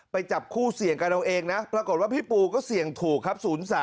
จับคู่เสี่ยงกันเอาเองนะปรากฏว่าพี่ปูก็เสี่ยงถูกครับ๐๓